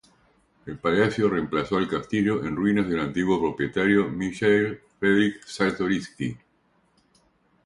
El palacio reemplazó al castillo en ruinas de antiguo propietario, Michael Frederick Czartoryski.